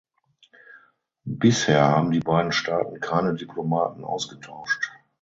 Bisher haben die beiden Staaten keine Diplomaten ausgetauscht.